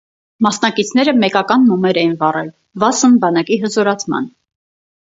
Մասնակիցները մեկական մոմեր էին վառել՝ վասն բանակի հզորացման։